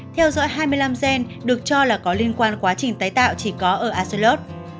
theo dõi hai mươi năm gen được cho là có liên quan quá trình tái tạo chỉ có ở asollot